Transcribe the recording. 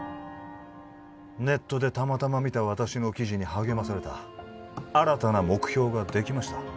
ネットでたまたま見た私の記事に励まされた新たな目標ができました